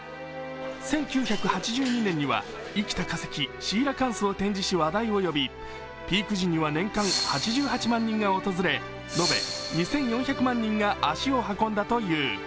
１９８２年には生きた化石シーラカンスを展示し話題を呼びピーク時には年間８８万人が訪れ、延べ２４００万人が足を運んだという。